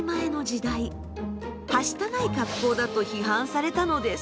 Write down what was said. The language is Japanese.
はしたない格好だと批判されたのです。